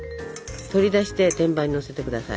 取り出して天板にのせて下さい。